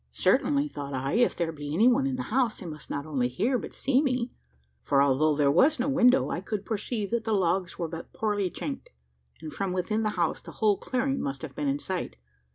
"Certainly," thought I, "if there be any one in the house, they must not only hear, but see me:" for although there was no window, I could perceive that the logs were but poorly "chinked;" and from within the house, the whole clearing must have been in sight.